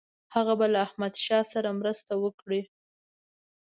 هغه به له احمدشاه سره مرسته وکړي.